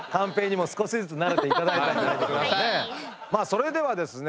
それではですね